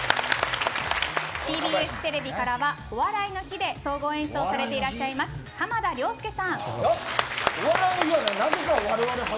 ＴＢＳテレビからはお笑いの日で総合演出をされていらっしゃる浜田諒介さん。